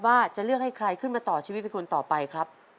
ว่าจะเลือกให้ใครขึ้นมาต่อชีวิตเป็นคนต่อไปครับ